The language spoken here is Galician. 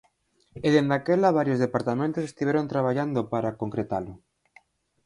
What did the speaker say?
E dende aquela varios departamentos estiveron traballando para concretalo.